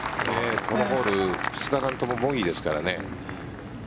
このホール２日間ともボギーですからね。